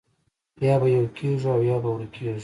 یا به یو کېږو او یا به ورکېږو